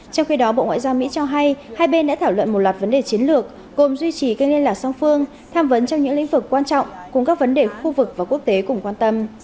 trong khi đó bộ ngoại giao mỹ cho hay hai bên đã thảo luận một loạt vấn đề chiến lược gồm duy trì kênh liên lạc song phương tham vấn trong những lĩnh vực quan trọng cùng các vấn đề khu vực và quốc tế cùng quan tâm